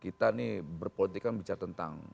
kita ini berpolitik kan bicara tentang